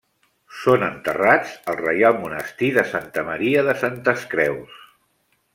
Són enterrats al Reial Monestir de Santa Maria de Santes Creus.